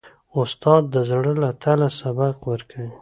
استاد د زړه له تله سبق ورکوي.